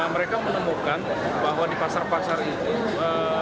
mereka menemukan bahwa di pasar pasar ini